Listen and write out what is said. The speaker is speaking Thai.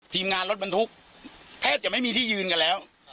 ทีมงานรถบรรทุกแทบจะไม่มีที่ยืนกันแล้ว